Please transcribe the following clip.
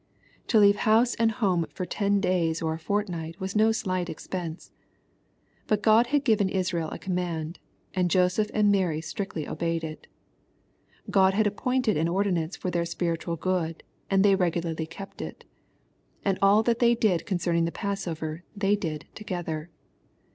To leave Louse and homo for ten days or a fortnight was no slight expense. But God had given Israel a command, and Joseph and Mary strictly obeyed it. God had appointed an ordinance for their spiritual good, and they regularly kept it. And all that they did concerning the passover they did to gether.